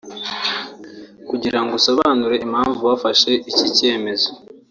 kugira ngo asobanure impamvu bafashe iki cyemezo